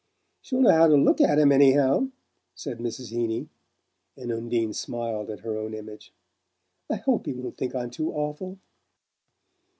"She'll know how to LOOK at him, anyhow," said Mrs. Heeny; and Undine smiled at her own image. "I hope he won't think I'm too awful!"